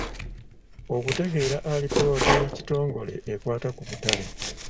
Okutegeera alipoota y'ekitongole ekwata ku butale.